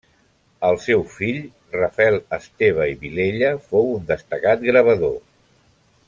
El seu fill, Rafael Esteve i Vilella, fou un destacat gravador.